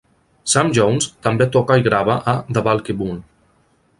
Sam Jones també toca i grava a 'The Balky Mule'.